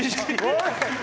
おい！